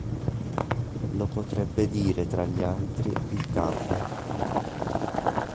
Lo potrebbe dire tra gli altri il Cav.